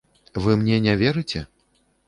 Вы мне не верыце?